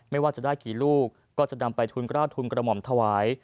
ไม่ว่าจะได้กี่ลูกก็จะนำไปทุนกระมอมถวาย